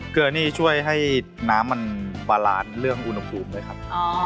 เกลือนี่ช่วยให้น้ำมันบารานเรื่องอุ่นอุ่นฟูมเลยครับ